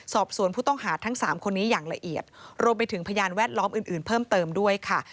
สอบสวนผู้ต้องหาทั้งสามคนนี้อย่างละเอียดรวมไปถึงพยานแวดล้อมอื่นอื่นเพิ่มเติมด้วยค่ะ